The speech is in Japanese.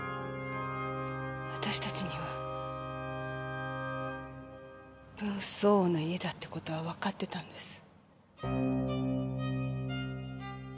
私たちには分不相応な家だって事はわかってたんです。